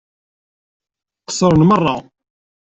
Qeṣṣṛen meṛṛa.